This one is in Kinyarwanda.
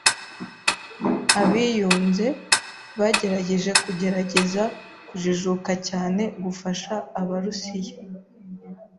Abiyunze bagerageje kugerageza kujijuka cyane gufasha Abarusiya.